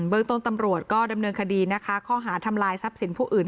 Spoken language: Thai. เบิ้ลตรงตัมหรือก็ดำเนื่องคสนะคะข้อหาทำลายทรัพย์สิทธิ์ผู้อื่น